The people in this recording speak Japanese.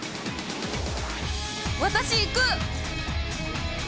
私行く！